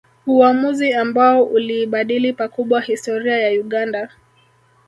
Uamuzi ambao uliibadili pakubwa historia ya Uganda